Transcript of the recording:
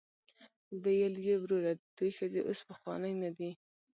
ویل یې وروره د دوی ښځې اوس پخوانۍ نه دي.